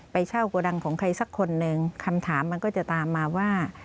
ไปเช่าโกดังของใครสักคนหนึ่งคำถามมันก็จะตามมาว่า